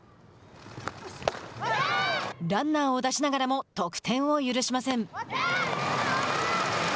ランナーを出しながらも得点を許しません。